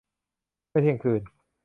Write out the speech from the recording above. เมื่อถึงคืน